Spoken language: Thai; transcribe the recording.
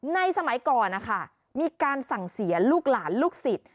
สมัยก่อนนะคะมีการสั่งเสียลูกหลานลูกศิษย์